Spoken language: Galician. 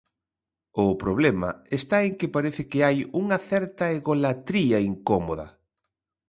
O problema está en que parece que hai unha certa egolatría incómoda.